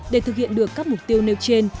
để thực hiện được các mục tiêu nêu trên